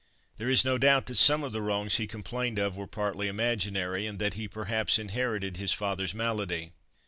There is no doubt that some of the wrongs he complained of were partly imaginary, and that he perhaps inherited his father's malady.